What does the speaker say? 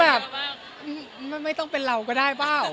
แบบไม่ต้องเป็นเราก็ได้เปล่า